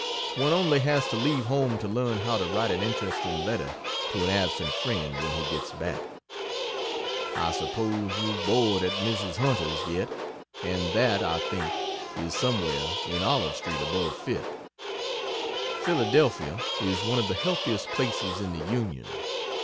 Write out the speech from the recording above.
One only has to leave home to learn how to write an interesting letter to an absent friend when he gets back. I suppose you board at Mrs. Hunter's yet and that, I think, is somewhere in Olive street above Fifth. Philadelphia is one of the healthiest places in the Union.